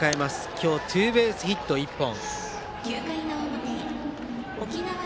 今日ツーベースヒット１本。